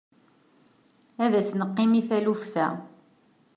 Ad as-neqqim i taluft-a.